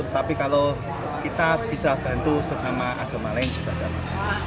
tapi kalau kita bisa bantu sesama agama lain juga datang